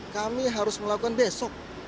kami harus melakukan besok